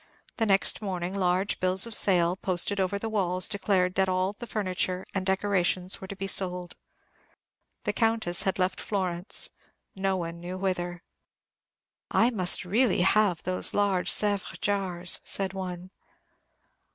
The next morning large bills of sale, posted over the walls, declared that all the furniture and decorations were to be sold. The Countess had left Florence, none knew whither. "I must really have those large Sèvres jars," said one.